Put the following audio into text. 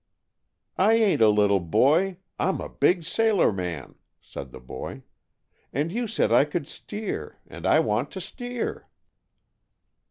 "I ain't a little boy. I'm a big sailor man!" said the boy. "And you said I could steer, and I want to steer."